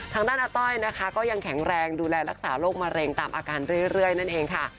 ทางด้านอาต้อยนะคะก็ยังแข็งแรงดูแลรักษาโรคมะเร็งตามอาการเรื่อยนั่นเองค่ะ